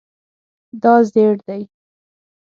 دا زیړ دی